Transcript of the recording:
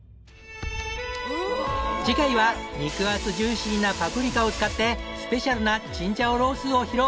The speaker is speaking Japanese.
次回は肉厚ジューシーなパプリカを使ってスペシャルな青椒肉絲を披露！